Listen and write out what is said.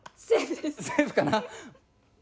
セーフかな？